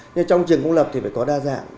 nhưng trong trường công lập thì phải có đa dạng